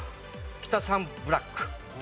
キタサンブラック。